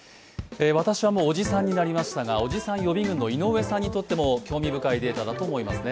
私はもうおじさんになりましたが、おじさん予備軍の井上さんにとっても興味深いデータだと思います。